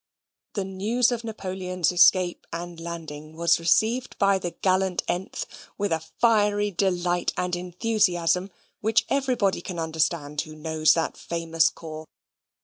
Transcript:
The news of Napoleon's escape and landing was received by the gallant th with a fiery delight and enthusiasm, which everybody can understand who knows that famous corps.